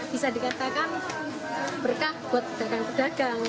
bisa dikatakan berkah buat pedagang pedagang